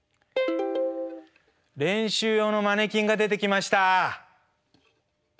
練習用のマネキンが出てきました。